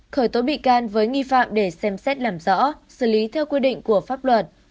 khởi tố bị can với nghi phạm để xem xét làm rõ xử lý theo quy định của pháp luật